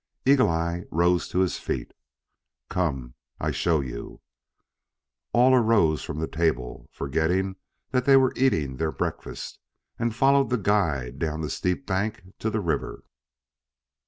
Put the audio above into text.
Eagle eye rose to his feet. "Come. I show you." All rose from the table, forgetful that they were eating their breakfast, and followed the guide down the steep bank to the river.